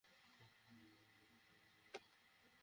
তোমার চুল নিচে নামাও।